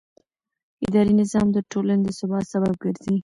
اداري نظام د ټولنې د ثبات سبب ګرځي.